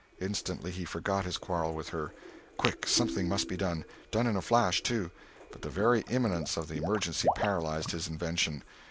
Instantly he forgot his quarrel with her. Quick—something must be done! done in a flash, too! But the very imminence of the emergency paralyzed his invention.